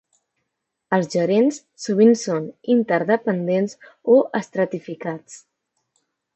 Els gerents sovint són interdependents o estratificats.